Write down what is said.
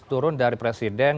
turun dari presiden